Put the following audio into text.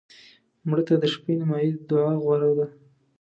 مړه ته د شپه نیمایي دعا غوره ده